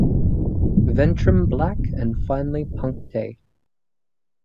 Ventrum black and finely punctate.